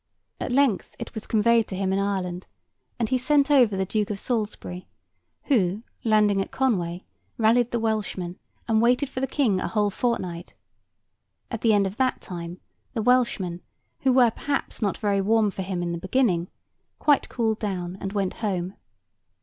At length it was conveyed to him in Ireland, and he sent over the Earl of Salisbury, who, landing at Conway, rallied the Welshmen, and waited for the King a whole fortnight; at the end of that time the Welshmen, who were perhaps not very warm for him in the beginning, quite cooled down and went home.